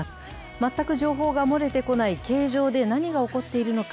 全く情報が漏れてこない刑場で何が起こっているのか。